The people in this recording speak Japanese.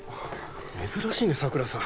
珍しいね佐倉さん